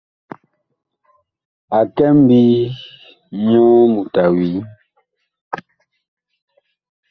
A kɛ ŋmbii, nyɔ mut a wii.